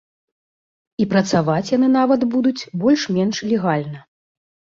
І працаваць яны нават будуць больш-менш легальна.